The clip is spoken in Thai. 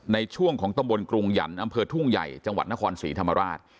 ในช่วงของตำบลกรุงหยันต์อำเภอทุ่งใหญ่จังหวัดนครศรีธรรมราช